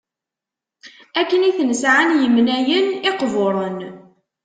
akken i ten-sεan yemnayen iqburen